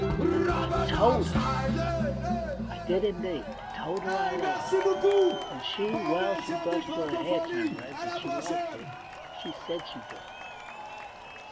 And I told her — I did indeed — told her I loved her ; and she — well, she blushed till her hair turned red, but she liked it ; she said she did.